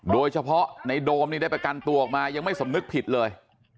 โดยเฉพาะในโดมนี่ได้ประกันตัวออกมายังไม่สำนึกผิดเลย